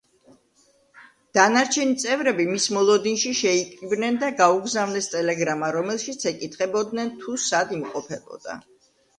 დანარჩენი წევრები მის მოლოდინში შეიკრიბნენ და გაუგზავნეს ტელეგრამა, რომელშიც ეკითხებოდნენ, თუ სად იმყოფებოდა.